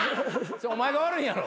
お前が悪いんやろ。